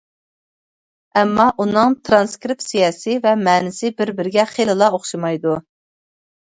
ئەمما ئۇنىڭ تىرانسكرىپسىيەسى ۋە مەنىسى بىر-بىرىگە خېلىلا ئوخشىمايدۇ.